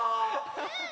うん！